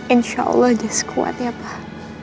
insya allah jus kuat ya pak